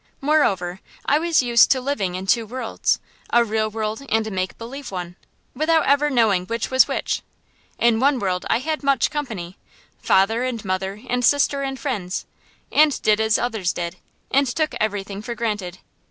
Moreover, I was used to living in two worlds, a real world and a make believe one, without ever knowing which was which. In one world I had much company father and mother and sister and friends and did as others did, and took everything for granted.